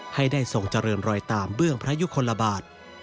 ให้ได้ทรงเจริญรอยตามเบื้องพระยุคลบาท